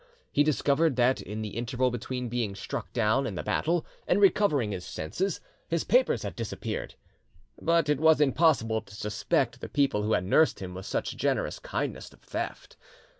He discovered that in the interval between being struck down in the battle and recovering his senses, his papers had disappeared, but it was impossible to suspect the people who had nursed him with such generous kindness of theft.